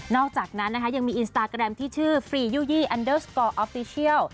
นอกจากนั้นยังมีอินสตาร์แกรมที่ชื่อฟรียู่ยี่อันเดอสกอลออฟฟิชีียล